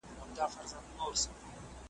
زما آواز که در رسیږي .